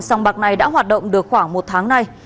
sông bạc này đã hoạt động được khoảng một tháng nay